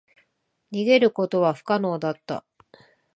逃げることは不可能だった。